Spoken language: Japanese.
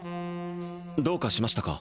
どうかしましたか？